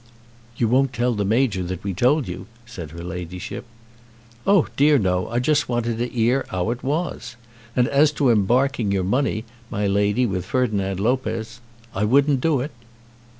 "You won't tell the Major that we told you," said her Ladyship. "Oh dear, no. I only just wanted to 'ear how it was. And as to embarking your money, my lady, with Ferdinand Lopez, I wouldn't do it."